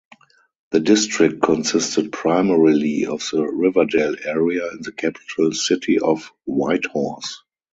The district consisted primarily of the Riverdale area in the capital city of Whitehorse.